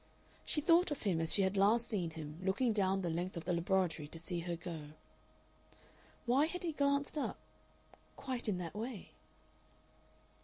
She thought of him as she had last seen him looking down the length of the laboratory to see her go. Why had he glanced up quite in that way?...